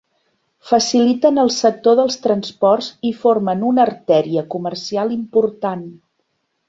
Faciliten el sector dels transports i formen una artèria comercial important.